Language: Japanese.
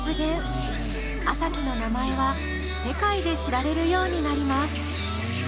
４ｓ４ｋｉの名前は世界で知られるようになります。